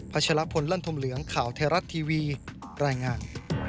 ชะลพลลั่นธมเหลืองข่าวไทยรัฐทีวีรายงาน